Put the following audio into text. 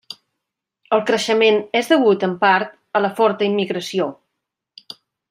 El creixement és degut en part a la forta immigració.